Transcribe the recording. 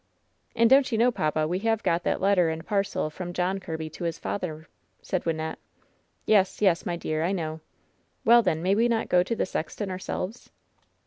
"And don't you know, papa, we have got that letter and parcel from John Kirby to his father ?" said Wyn nette. "Yes, yes, my dear, I know." "Well, then, may we not go to the sexton ourselves